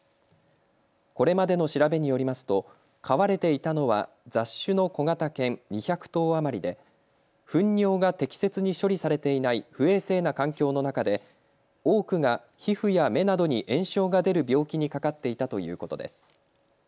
これまでの調べによりますと飼われていたのは雑種の小型犬２００頭余りでふん尿が適切に処理されていない不衛生な環境の中で多くが皮膚や目などに炎症が出る病気にかかっていたということです。